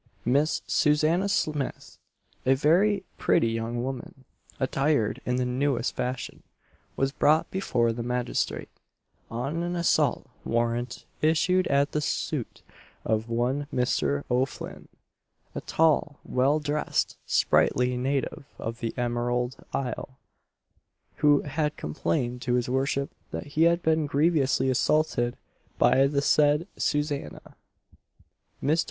Miss Susanna Smith, a very pretty young woman, attired in the newest fashion, was brought before the magistrate, on an assault warrant issued at the suit of one Mr. O'Flinn, a tall, well dressed, sprightly native of the Emerald Isle, who had complained to his worship that he had been grievously assaulted by the said Susanna. Mr.